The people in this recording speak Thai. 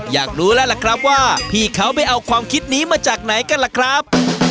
อยากรู้แล้วล่ะครับว่าพี่เขาไปเอาความคิดนี้มาจากไหนกันล่ะครับ